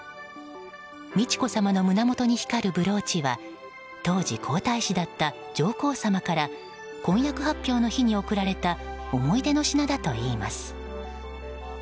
美智子さまの胸元に光るブローチは当時、皇太子だった上皇さまから婚約発表の日に贈られた思い出の品だといいます。